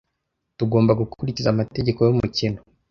Tugomba gukurikiza amategeko yumukino.